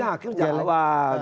ya harusnya akhirnya